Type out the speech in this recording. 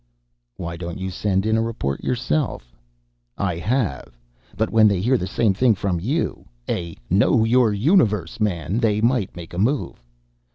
"Why don't you send in a report yourself?" "I have! But when they hear the same thing from you, a Know Your Universe! man, they might make a move."